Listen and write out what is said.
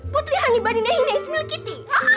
putrihani badinahinai smilkiti